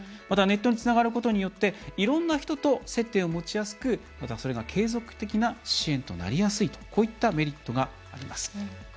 また、ネットにつながることによっていろんな人と接点を持ちやすくまた、それが継続的な支援となりやすいとこういったメリットがあります。